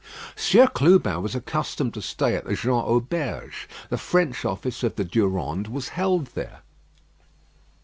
Sieur Clubin was accustomed to stay at the Jean Auberge. The French office of the Durande was held there.